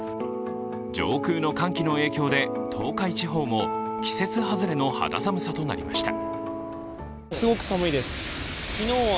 上空の寒気の影響で東海地方も季節外れの肌寒さとなりました。